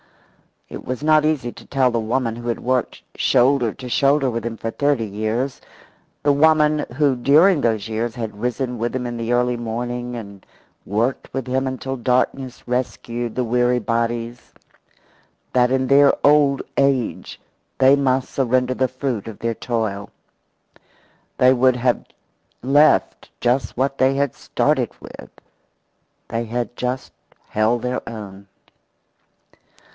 It was not easy to tell the woman who had worked shoulder to shoulder with him for thirty years, the woman who during those years had risen with him in the early morning and worked with him until darkness rescued the weary bodies, that in their old age they must surrender the fruit of their toil. They would have left just what they had started with. They had just held their own.